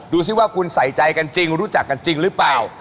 ดูสิว่าคุณใส่ใจกันจริงรู้จักกันจริงหรือเปล่า